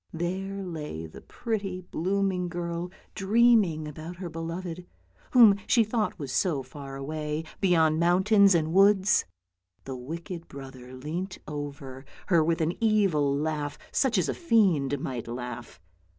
There lay the pretty, blooming girl dream ing about her beloved, whom she thought was so far away, beyond mountains and woods. The wicked brother leant over her with an evil laugh, such as a fiend might laugh.